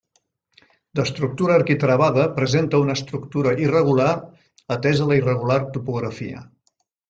D'estructura arquitravada, presenta una estructura irregular atès a la irregular topografia.